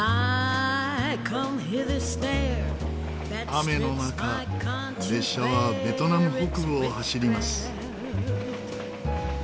雨の中列車はベトナム北部を走ります。